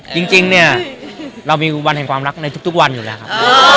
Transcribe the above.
จริงเนี่ยเรามีวันแห่งความรักในทุกวันอยู่แล้วครับ